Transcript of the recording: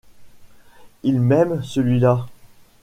Il m’aime, celui-là...